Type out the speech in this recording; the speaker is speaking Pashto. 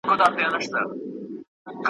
پردي خواړه يا پور دى يا پيغور ,